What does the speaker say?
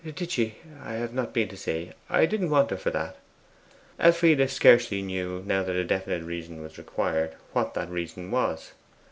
'Did she? I have not been to see I didn't want her for that.' Elfride scarcely knew, now that a definite reason was required, what that reason was.